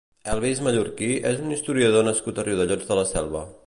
Elvis Mallorquí és un historiador nascut a Riudellots de la Selva